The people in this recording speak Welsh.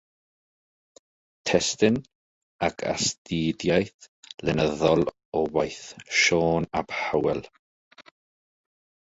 Testun ac astudiaeth lenyddol o waith Siôn ap Hywel.